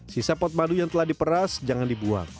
sisa pot madu yang telah diperas jangan dibuang